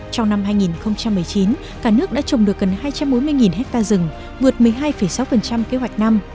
trong năm hai nghìn một mươi chín cả nước đã trồng được gần hai trăm bốn mươi ha rừng vượt một mươi hai sáu kế hoạch năm